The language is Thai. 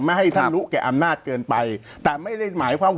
ให้ท่านรู้แก่อำนาจเกินไปแต่ไม่ได้หมายความ